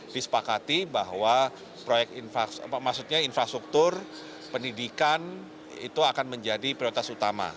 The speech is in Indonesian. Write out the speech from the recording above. disepakati bahwa maksudnya infrastruktur pendidikan itu akan menjadi prioritas utama